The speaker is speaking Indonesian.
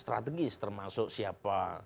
strategis termasuk siapa